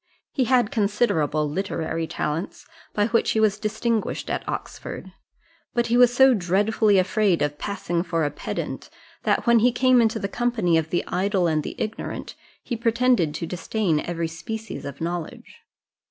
He had considerable literary talents, by which he was distinguished at Oxford; but he was so dreadfully afraid of passing for a pedant, that when he came into the company of the idle and the ignorant, he pretended to disdain every species of knowledge.